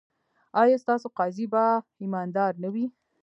ایا ستاسو قاضي به ایماندار نه وي؟